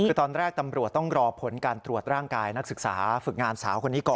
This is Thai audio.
คือตอนแรกตำรวจต้องรอผลการตรวจร่างกายนักศึกษาฝึกงานสาวคนนี้ก่อน